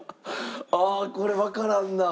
ああこれわからんなあ。